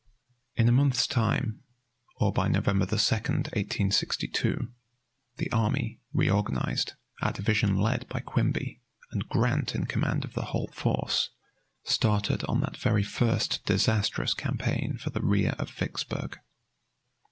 In a month's time, or by November 2, 1862, the army, reorganized, our division led by Quimby, and Grant in command of the whole force, started on that very first disastrous campaign for the rear of Vicksburg.